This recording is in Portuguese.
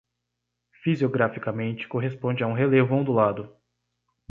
Fisiograficamente, corresponde a um relevo ondulado.